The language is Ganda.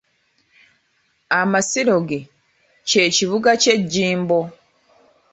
Amasiro ge, kye kibuga kye Jjimbo.